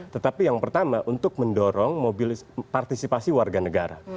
tetapi yang pertama untuk mendorong mobil partisipasi warga negara